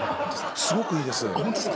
すごくいいですあっ